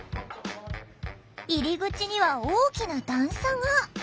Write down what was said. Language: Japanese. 入り口には大きな段差が！